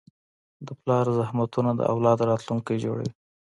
د پلار زحمتونه د اولاد راتلونکی جوړوي.